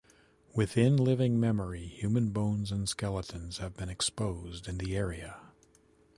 Within living memory human bones and skeletons have been exposed in the area.